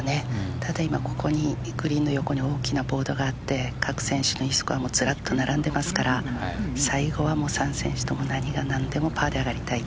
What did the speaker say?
ただ、今グリーンの横に大きなボードがあって各選手のスコアも並んでいますから最後は３選手とも何が何でもパーで上がりたい。